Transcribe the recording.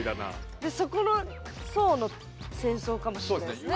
でそこの層の戦争かもしんないですね。